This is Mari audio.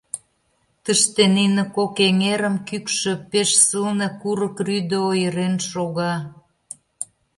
Тыште нине кок эҥерым кӱкшӧ пеш сылне курык рӱдӧ ойырен шога.